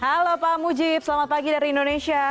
halo pak mujib selamat pagi dari indonesia